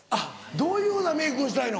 どういうふうなメークをしたいの？